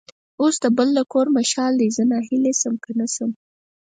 اوس د بل د کور مشال دی؛ زه ناهیلی شم که نه شم.